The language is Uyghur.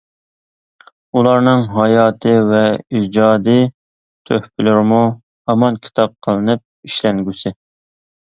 ئۇلارنىڭ ھاياتى ۋە ئىجادىي تۆھپىلىرىمۇ ھامان كىتاب قىلىنىپ ئىشلەنگۈسى.